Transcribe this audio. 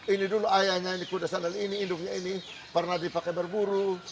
ini dulu ayahnya ini kuda sandal ini induknya ini pernah dipakai berburu